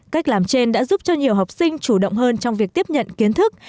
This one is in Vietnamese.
cách làm trên đã giúp cho nhiều học sinh chủ động hơn trong việc tiếp nhận kiến thức